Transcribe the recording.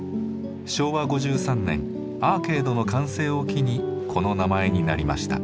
昭和５３年アーケードの完成を機にこの名前になりました。